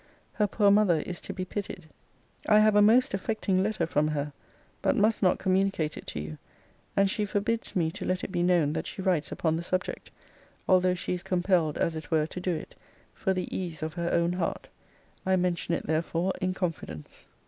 Her poor mother is to be pitied. I have a most affecting letter from her; but must not communicate it to you; and she forbids me to let it be known that she writes upon the subject; although she is compelled, as it were, to do it, for the ease of her own heart. I mention it therefore in confidence.